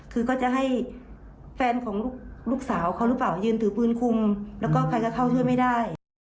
คือก็จะให้แฟนของลูกสาวเขาหรือเปล่ายืนถือปืนคุมแล้วก็ใครจะเข้าช่วยไม่ได้